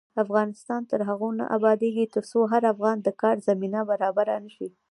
افغانستان تر هغو نه ابادیږي، ترڅو هر افغان ته د کار زمینه برابره نشي.